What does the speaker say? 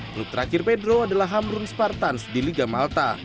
klub terakhir pedro adalah hamrun spartans di liga malta